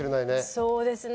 そうですね。